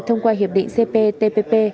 thông qua hiệp định cptpp